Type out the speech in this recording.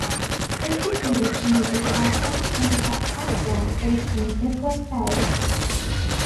He competed in the decathlon and heptathlon for the team "Dukla Prague".